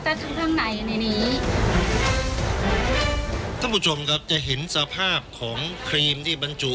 แต่ทั้งข้างในในนี้ท่านผู้ชมครับจะเห็นสภาพของครีมที่บรรจุ